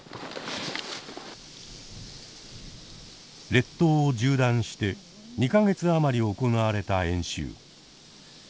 列島を縦断して２か月余り行われた演習。